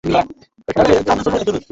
এখানে জনসংখ্যার ঘনত্ব কম।